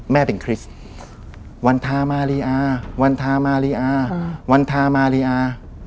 แม่เป็นคริสต์วันธามาริยาวันธามาริยาวันธามาริยา